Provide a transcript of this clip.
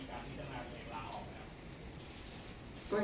คุณท่านหวังว่าประชาธิบัติไม่ชอบมาตรา๔๔